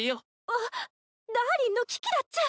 あっダーリンの危機だっちゃ！